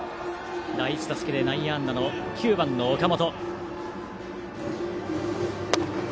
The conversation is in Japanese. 第１打席で内野安打の９番、岡本。